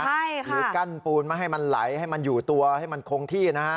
ใช่ค่ะหรือกั้นปูนไม่ให้มันไหลให้มันอยู่ตัวให้มันคงที่นะฮะ